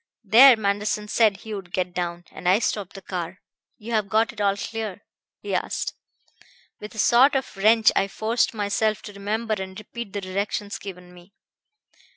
There Manderson said he would get down, and I stopped the car. 'You've got it all clear?' he asked. With a sort of wrench I forced myself to remember and repeat the directions given me.